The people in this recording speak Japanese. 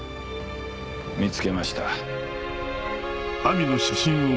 見つけました。